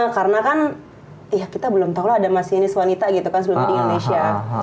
karena kan kita belum tahu ada masinis wanita gitu kan sebelumnya di indonesia